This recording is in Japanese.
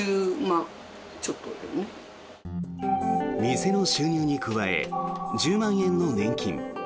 店の収入に加え１０万円の年金。